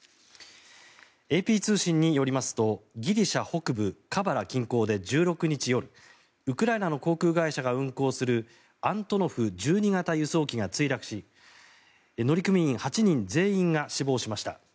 ＡＰ通信によりますとギリシャ北部カバラ近郊で１６日夜ウクライナの航空会社が運航するアントノフ１２型輸送機が墜落し乗組員８人全員が死亡しました。